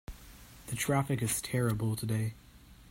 The traffic is terrible today.